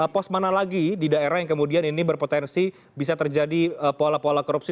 pos mana lagi di daerah yang kemudian ini berpotensi bisa terjadi pola pola korupsi